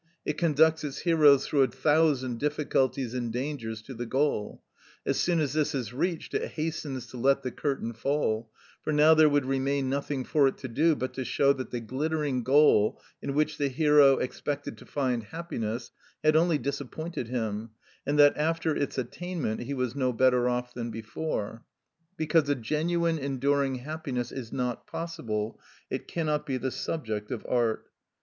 It conducts its heroes through a thousand difficulties and dangers to the goal; as soon as this is reached, it hastens to let the curtain fall; for now there would remain nothing for it to do but to show that the glittering goal in which the hero expected to find happiness had only disappointed him, and that after its attainment he was no better off than before. Because a genuine enduring happiness is not possible, it cannot be the subject of art.